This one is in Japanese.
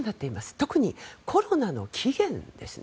特にコロナの起源ですね。